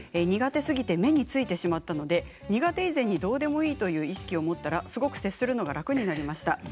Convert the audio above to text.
苦手すぎて目についてしまったので苦手以前にどうでもいいっていう意識を持ったらすごく接するのが楽になりました。